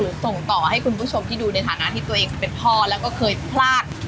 ส่งต่อให้คุณผู้ชมที่ดูในฐานะที่ตัวเองเป็นพ่อแล้วก็เคยพลาด